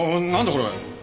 これ。